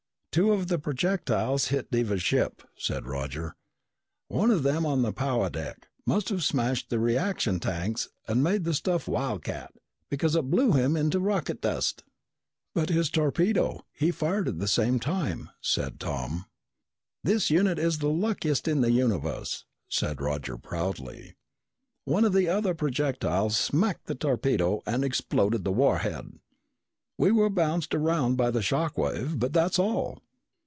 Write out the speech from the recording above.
"Two of the projectiles hit Devers' ship," said Roger. "One of them on the power deck. Must've smashed the reaction tanks and made the stuff wildcat, because it blew him into rocket dust!" [Illustration: "The projectiles blew Devers' ship into rocket dust!"] "But his torpedo! He fired at the same time!" said Tom. "This unit is the luckiest in the universe," said Roger proudly. "One of the other projectiles smacked the torpedo and exploded the warhead. We were bounced around by the shock wave but that's all!"